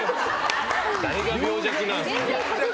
誰が病弱なんですか。